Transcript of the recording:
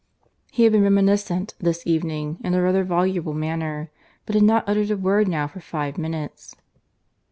(He had been reminiscent this evening in a rather voluble manner, but had not uttered a word now for five minutes.)